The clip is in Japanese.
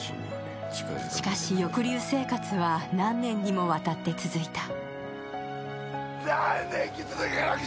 しかし、抑留生活は何年にもわたって続いた。